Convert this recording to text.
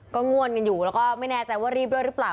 ก็ง่วนกันอยู่แล้วก็ไม่แน่ใจว่ารีบด้วยหรือเปล่า